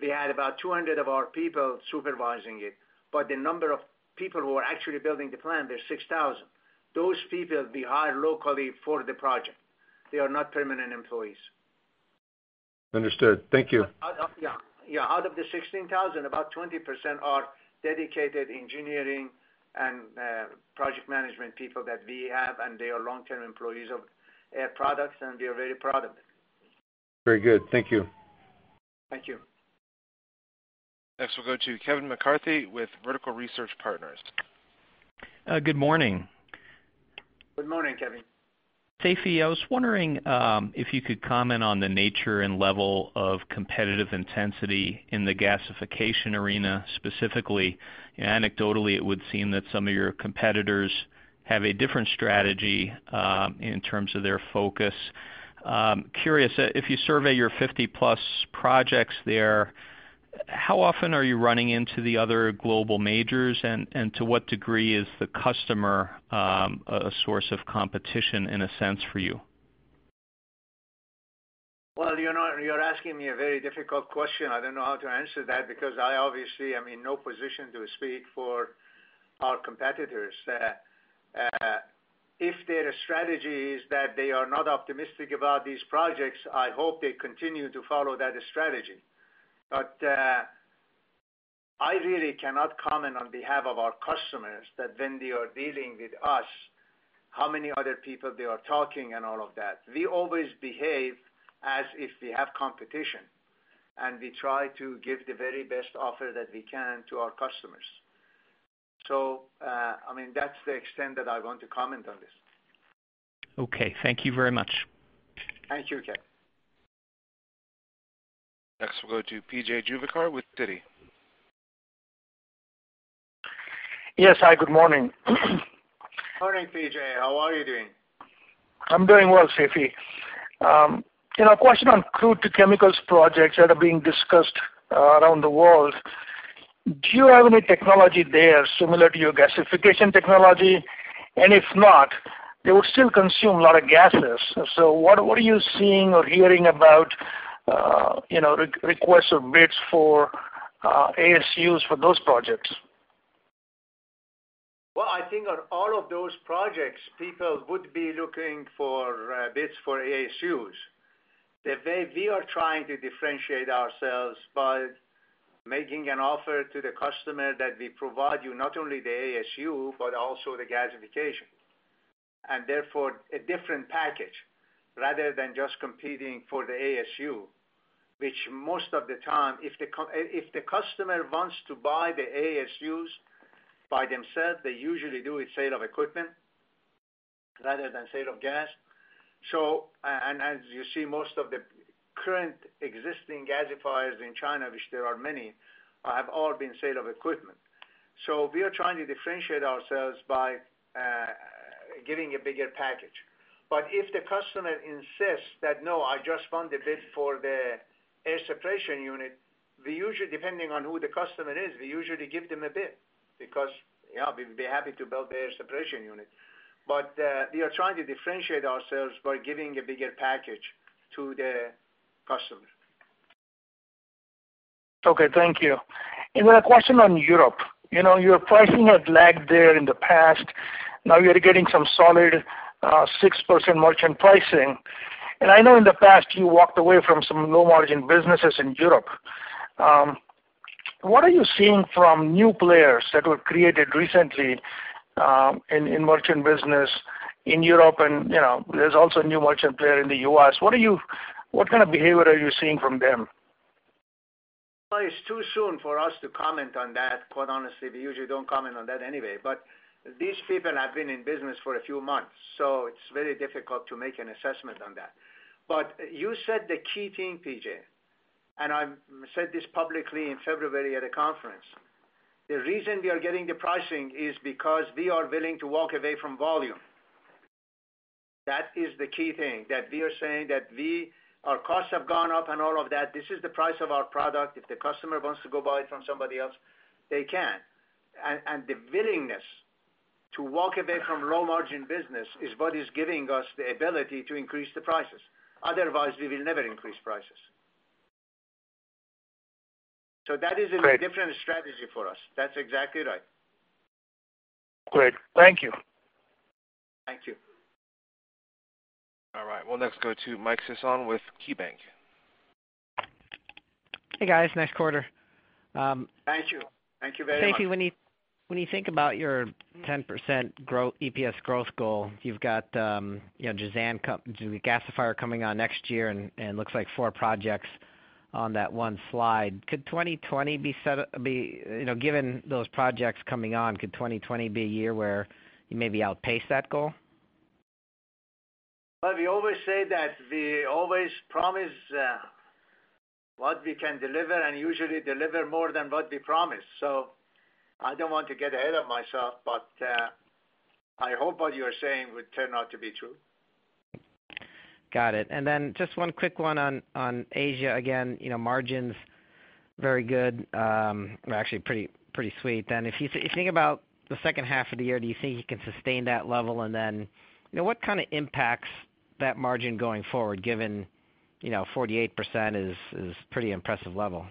we had about 200 of our people supervising it. The number of people who are actually building the plant is 6,000. Those people, we hire locally for the project. They are not permanent employees. Understood. Thank you. Yeah. Out of the 16,000, about 20% are dedicated engineering and project management people that we have, and they are long-term employees of Air Products, and we are very proud of it. Very good. Thank you. Thank you. Next, we'll go to Kevin McCarthy with Vertical Research Partners. Good morning. Good morning, Kevin. Seifi, I was wondering if you could comment on the nature and level of competitive intensity in the gasification arena specifically. Anecdotally, it would seem that some of your competitors have a different strategy, in terms of their focus. Curious, if you survey your 50-plus projects there, how often are you running into the other global majors, and to what degree is the customer a source of competition in a sense for you? Well, you're asking me a very difficult question. I don't know how to answer that because I obviously am in no position to speak for our competitors. If their strategy is that they are not optimistic about these projects, I hope they continue to follow that strategy. I really cannot comment on behalf of our customers that when they are dealing with us, how many other people they are talking and all of that. We always behave as if we have competition, and we try to give the very best offer that we can to our customers. That's the extent that I want to comment on this. Okay. Thank you very much. Thank you, Kevin. Next, we'll go to P.J. Juvekar with Citi. Yes, hi, good morning. Morning, PJ. How are you doing? I'm doing well, Seifi. A question on crude to chemicals projects that are being discussed around the world. Do you have any technology there similar to your gasification technology? If not, they will still consume a lot of gases. What are you seeing or hearing about requests or bids for ASUs for those projects? Well, I think on all of those projects, people would be looking for bids for ASUs. The way we are trying to differentiate ourselves by making an offer to the customer that we provide you not only the ASU, but also the gasification, and therefore, a different package, rather than just competing for the ASU, which most of the time, if the customer wants to buy the ASUs by themselves, they usually do a sale of equipment rather than sale of gas. As you see, most of the current existing gasifiers in China, which there are many, have all been sale of equipment. We are trying to differentiate ourselves by giving a bigger package. If the customer insists that, "No, I just want the bid for the air separation unit," we usually, depending on who the customer is, we usually give them a bid because we'd be happy to build the air separation unit. We are trying to differentiate ourselves by giving a bigger package to the customer. Okay, thank you. Then a question on Europe. Your pricing had lagged there in the past. Now you're getting some solid 6% merchant pricing. I know in the past you walked away from some low-margin businesses in Europe. What are you seeing from new players that were created recently, in merchant business in Europe? There's also a new merchant player in the U.S. What kind of behavior are you seeing from them? Well, it's too soon for us to comment on that, quite honestly. We usually don't comment on that anyway. These people have been in business for a few months, so it's very difficult to make an assessment on that. You said the key thing, P.J., and I said this publicly in February at a conference. The reason we are getting the pricing is because we are willing to walk away from volume. That is the key thing, that we are saying that our costs have gone up and all of that. This is the price of our product. If the customer wants to go buy it from somebody else, they can. The willingness to walk away from low-margin business is what is giving us the ability to increase the prices. Otherwise, we will never increase prices. That is- Great a different strategy for us. That's exactly right. Great. Thank you. Thank you. All right, we'll next go to Michael Sison with KeyBank. Hey, guys. Nice quarter. Thank you. Thank you very much. Seifi, when you think about your 10% EPS growth goal, you've got Jazan gasifier coming on next year, and looks like four projects on that one slide. Given those projects coming on, could 2020 be a year where you maybe outpace that goal? We always say that we always promise what we can deliver and usually deliver more than what we promise. I don't want to get ahead of myself, but I hope what you're saying would turn out to be true. Got it. Just one quick one on Asia. Again, margins, very good. Well, actually pretty sweet. If you think about the second half of the year, do you think you can sustain that level? What kind of impacts that margin going forward, given 48% is pretty impressive level?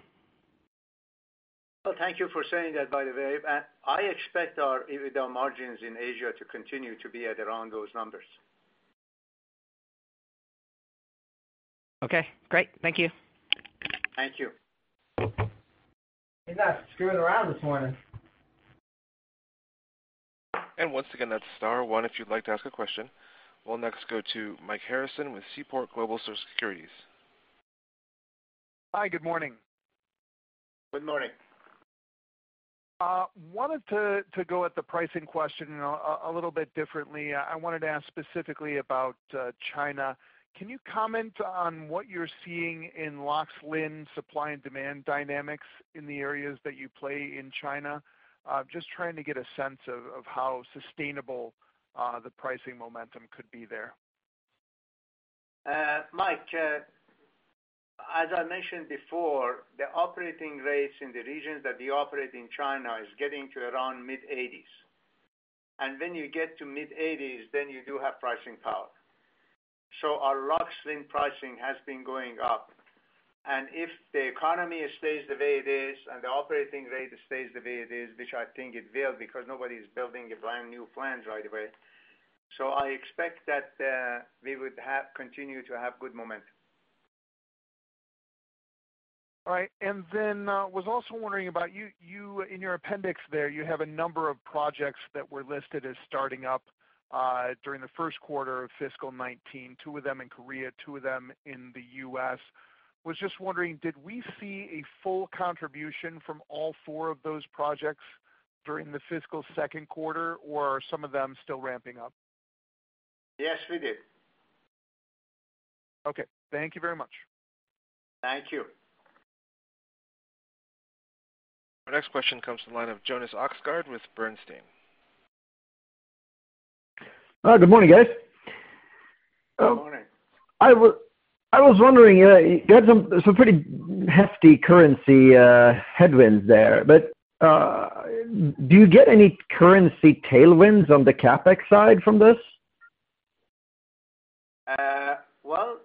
Thank you for saying that, by the way. I expect our EBITDA margins in Asia to continue to be at around those numbers. Great. Thank you. Thank you. He's not screwing around this morning. Once again, that's star one if you'd like to ask a question. We'll next go to Mike Harrison with Seaport Global Securities. Hi, good morning. Good morning. wanted to go at the pricing question a little bit differently. I wanted to ask specifically about China. Can you comment on what you're seeing in LOX, LIN, supply and demand dynamics in the areas that you play in China? Just trying to get a sense of how sustainable the pricing momentum could be there. Mike, as I mentioned before, the operating rates in the regions that we operate in China is getting to around mid-80s. When you get to mid-80s, you do have pricing power. Our LOX, LIN pricing has been going up. If the economy stays the way it is, and the operating rate stays the way it is, which I think it will, because nobody's building brand-new plants right away. I expect that we would continue to have good momentum. I was also wondering about you, in your appendix there, you have a number of projects that were listed as starting up during the first quarter of fiscal 2019, two of them in Korea, two of them in the U.S. I was just wondering, did we see a full contribution from all four of those projects during the fiscal second quarter, or are some of them still ramping up? Yes, we did. Okay. Thank you very much. Thank you. Our next question comes from the line of Jonas Oxgaard with Bernstein. Good morning, guys. Good morning. I was wondering, you had some pretty hefty currency headwinds there, do you get any currency tailwinds on the CapEx side from this? Well,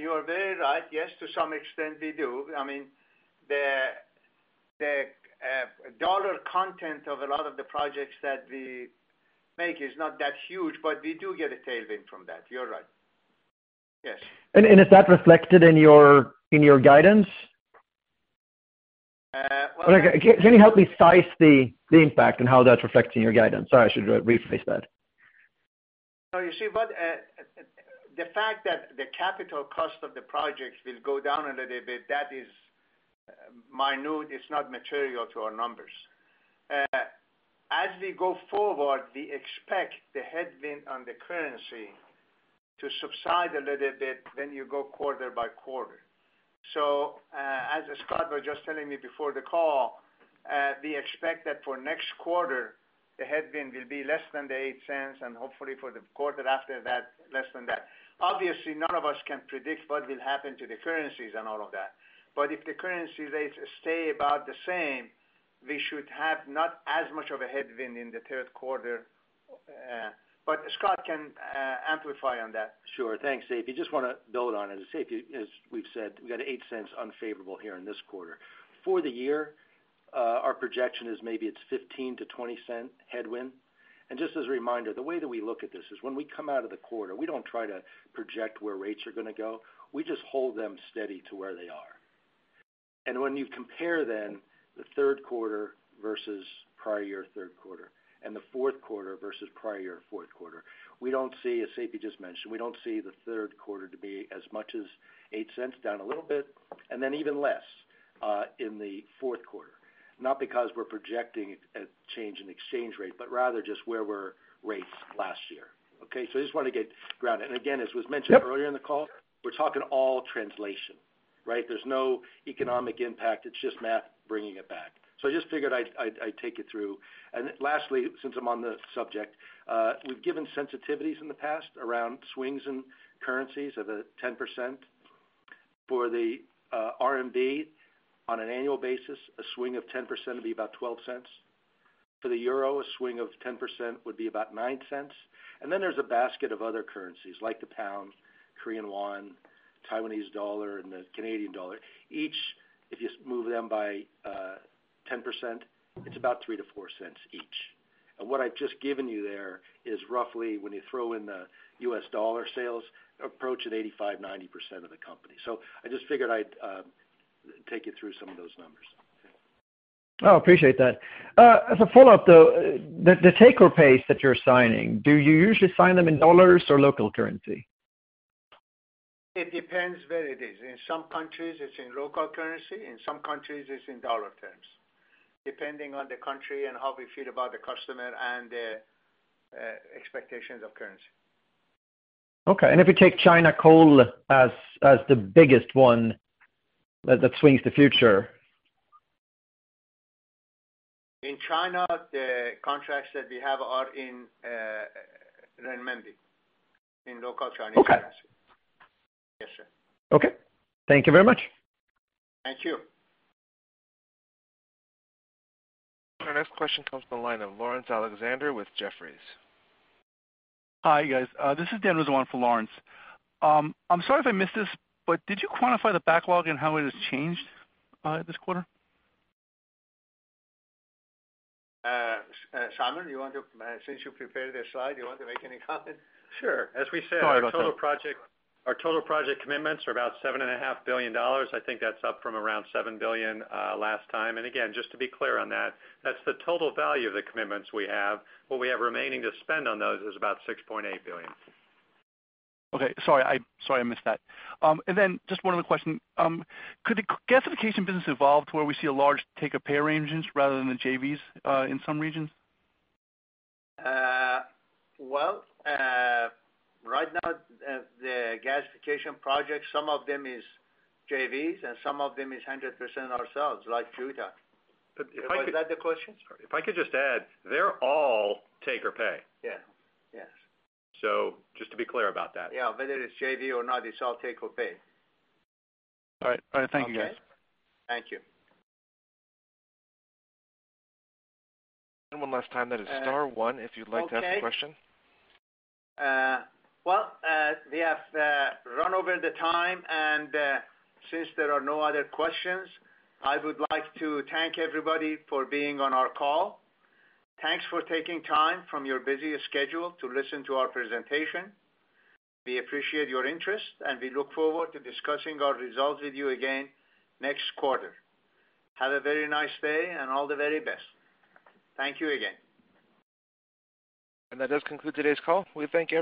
you are very right. Yes, to some extent, we do. I mean, the dollar content of a lot of the projects that we make is not that huge, we do get a tailwind from that. You're right. Yes. Is that reflected in your guidance? Well- Can you help me size the impact and how that's reflected in your guidance? Sorry, I should rephrase that. No, you see, the fact that the capital cost of the projects will go down a little bit, that is minute. It's not material to our numbers. As we go forward, we expect the headwind on the currency to subside a little bit when you go quarter by quarter. As Scott was just telling me before the call, we expect that for next quarter, the headwind will be less than $0.08, and hopefully for the quarter after that, less than that. Obviously, none of us can predict what will happen to the currencies and all of that. If the currency rates stay about the same, we should have not as much of a headwind in the third quarter. Scott can amplify on that. Sure. Thanks, Seifi. Just want to build on it. As Seifi, as we've said, we've got $0.08 unfavorable here in this quarter. For the year. Our projection is maybe it's $0.15-$0.20 headwind. Just as a reminder, the way that we look at this is when we come out of the quarter, we don't try to project where rates are going to go. We just hold them steady to where they are. When you compare then the third quarter versus prior year third quarter and the fourth quarter versus prior year fourth quarter, we don't see, as Seifi just mentioned, we don't see the third quarter to be as much as $0.08 down a little bit and then even less in the fourth quarter. Not because we're projecting a change in exchange rate, but rather just where were rates last year. Okay, I just want to get grounded. Again, as was mentioned earlier in the call, we're talking all translation, right? There's no economic impact. It's just math bringing it back. I just figured I'd take you through. Lastly, since I'm on the subject, we've given sensitivities in the past around swings in currencies of 10%. For the RMB on an annual basis, a swing of 10% would be about $0.12. For the EUR, a swing of 10% would be about $0.09. There's a basket of other currencies like the GBP, KRW, TWD, and the CAD. Each, if you move them by 10%, it's about $0.03-$0.04 each. What I've just given you there is roughly when you throw in the U.S. dollar sales approach at 85%-90% of the company. I just figured I'd take you through some of those numbers. Appreciate that. As a follow-up, though, the take-or-pays that you're signing, do you usually sign them in dollars or local currency? It depends where it is. In some countries it's in local currency, in some countries it's in dollar terms, depending on the country and how we feel about the customer and the expectations of currency. Okay. If you take China coal as the biggest one that swings the future. In China, the contracts that we have are in renminbi, in local Chinese currency. Okay. Yes, sir. Okay. Thank you very much. Thank you. Our next question comes from the line of Laurence Alexander with Jefferies. Hi, guys. This is Dan Rizzo for Laurence. I'm sorry if I missed this, but did you quantify the backlog and how it has changed this quarter? Simon, since you prepared the slide, do you want to make any comment? Sure. Sorry about that Our total project commitments are about $7.5 billion. I think that's up from around $7 billion last time. Again, just to be clear on that's the total value of the commitments we have. What we have remaining to spend on those is about $6.8 billion. Okay. Sorry, I missed that. Then just one other question. Could the gasification business evolve to where we see a large take or pay arrangements rather than the JVs in some regions? Well, right now, the gasification projects, some of them is JVs and some of them is 100% ourselves, like Lu'an. If I could- Was that the question? If I could just add, they're all take or pay. Yeah. Just to be clear about that. Yeah. Whether it's JV or not, it's all take or pay. All right. Thank you, guys. Okay. Thank you. One last time, that is star one if you'd like to ask a question. Okay. Well, we have run over the time. Since there are no other questions, I would like to thank everybody for being on our call. Thanks for taking time from your busy schedule to listen to our presentation. We appreciate your interest. We look forward to discussing our results with you again next quarter. Have a very nice day and all the very best. Thank you again. That does conclude today's call. We thank you.